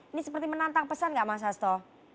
ini seperti menantang pesan gak mas hasto